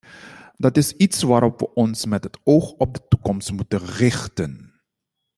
Dat is iets waarop we ons met het oog op de toekomst moeten richten.